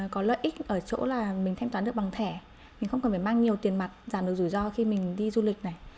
có lợi ích ở chỗ là mình thanh toán được bằng thẻ mình không cần phải mang nhiều tiền mặt giảm được rủi ro khi mình đi du lịch này